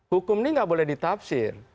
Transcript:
hukum ini nggak boleh ditafsir